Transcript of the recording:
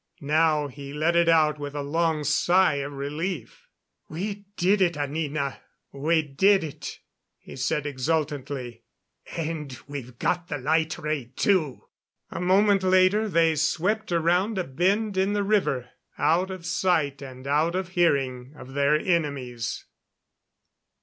Now he let it out with a long sigh of relief. "We did it, Anina we did it," he said exultantly. "And we've got a light ray, too." A moment later they swept around a bend in the river, out of sight and out of hearing of their enemies.